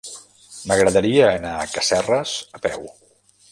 M'agradaria anar a Casserres a peu.